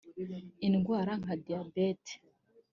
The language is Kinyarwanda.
Indwara nka Diabete